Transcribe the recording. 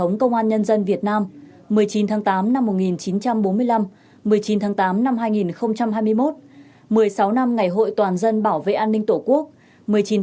công an nhân dân việt nam một mươi chín tháng tám năm một nghìn chín trăm bốn mươi năm một mươi chín tháng tám năm hai nghìn hai mươi một một mươi sáu năm ngày hội toàn dân bảo vệ an ninh tổ quốc